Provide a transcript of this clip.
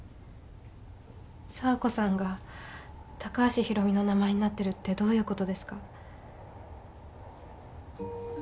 佐和子さんが高橋博美の名前になってるってどういうことですか？